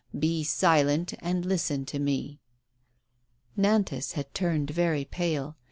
Bo silent and listen to me." Nantas had turned very pale.